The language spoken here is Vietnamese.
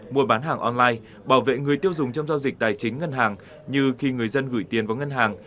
mua bán hàng online bảo vệ người tiêu dùng trong giao dịch tài chính ngân hàng như khi người dân gửi tiền vào ngân hàng